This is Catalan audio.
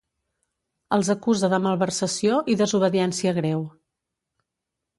Els acusa de malversació i desobediència greu.